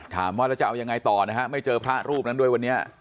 ถามว่าแล้วจะเอายังไงต่อนะฮะไม่เจอพระรูปนั้นด้วยวันนี้